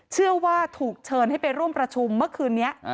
เชื่อว่าถูกเชิญให้ไปร่วมประชุมเมื่อคืนนี้